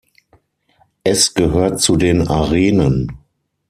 Es gehört zu den Arenen.